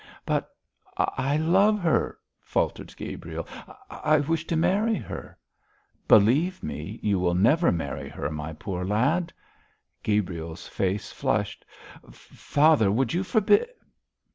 'But I love her,' faltered Gabriel; 'I wish to marry her.' 'Believe me, you will never marry her, my poor lad.' Gabriel's face flushed. 'Father, would you forbid